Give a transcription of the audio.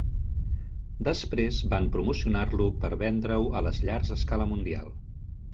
Després van promocionar-lo per a vendre-ho a les llars a escala mundial.